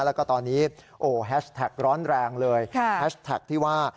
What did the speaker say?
แล้วก็ตอนนี้โอ้โหแฮชแท็กร้อนแรงเลยแฮชแท็กที่ว่า